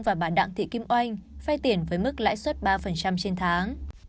và bạn đặng thị kim oanh phai tiền với mức lãi suất ba trên tháng